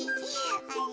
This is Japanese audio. あれ？